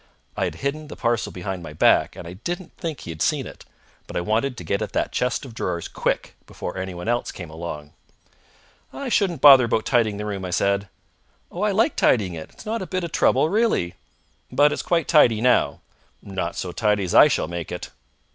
I had hidden the parcel behind my back, and I didn't think he had seen it; but I wanted to get at that chest of drawers quick, before anyone else came along. "I shouldn't bother about tidying the room," I said. "I like tidying it. It's not a bit of trouble really." "But it's quite tidy now." "Not so tidy as I shall make it."